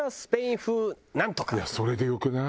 いやそれでよくない？